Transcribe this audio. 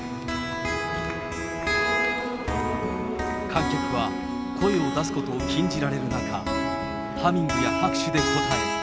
観客は声を出すことを禁じられる中、ハミングや拍手で応える。